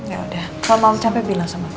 yaudah kalau mama capek bilang sama aku